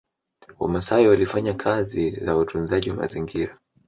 Wamaasai walifanya kazi ya utunzaji wa mazingra